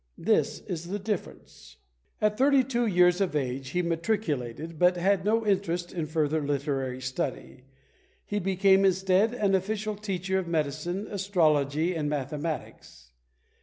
This is the difference." At thirty two years of age he matriculated, but had no interest in further literary study. He became, instead, an official teacher of medicine, astrology and mathematics.